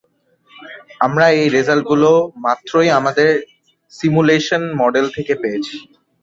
আমরা এই রেজাল্টগুলো মাত্রই আমাদের সিমুলেশন মডেল থেকে পেয়েছি!